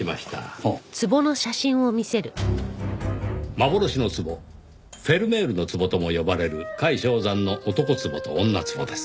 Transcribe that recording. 幻の壺フェルメールの壺とも呼ばれる櫂象仙の男壺と女壺です。